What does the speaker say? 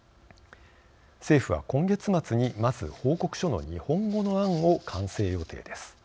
政府は今月末にまず報告書の日本語の案を完成予定です。